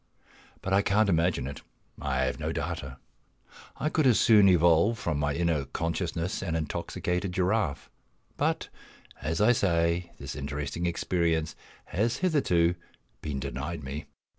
But I can't imagine it; I have no data. I could as soon evolve from my inner consciousness an intoxicated giraffe. But, as I say, this interesting experience has hitherto been denied me.